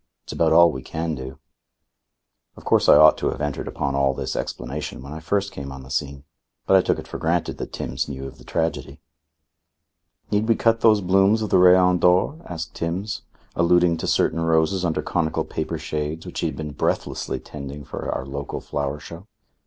It's about all we can do." Of course I ought to have entered upon all this explanation when I first came on the scene; but I took it for granted that Timbs knew of the tragedy. "Need we cut those blooms of the Rayon d'Or?" asked Timbs, alluding to certain roses under conical paper shades which he had been breathlessly tending for our local flower show.